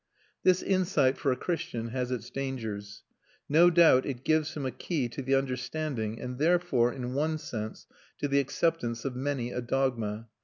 This insight, for a Christian, has its dangers. No doubt it gives him a key to the understanding and therefore, in one sense, to the acceptance of many a dogma.